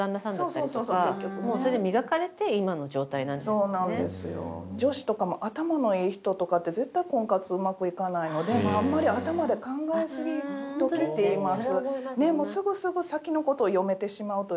結局ねそうなんですよ女子とかも頭のいい人とかって絶対婚活うまくいかないのであんまり頭で考えすぎんときって言います